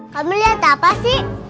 kamu liat apa sih